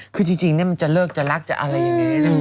คือจริงมันจะเลิกจะรักจะอะไรอย่างนี้นะ